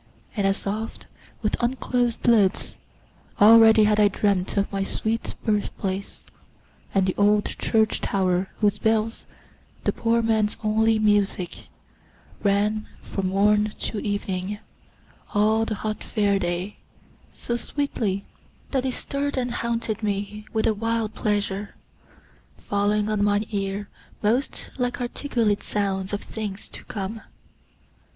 and as oft With unclosed lids, already had I dreamt Of my sweet birth place, and the old church tower, Whose bells, the poor man's only music, rang From morn to evening, all the hot Fair day, So sweetly, that they stirred and haunted me With a wild pleasure, falling on mine ear Most like articulate sounds of things to come!